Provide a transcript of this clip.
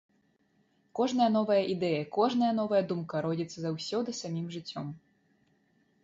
Кожная новая ідэя, кожная новая думка родзіцца заўсёды самім жыццём.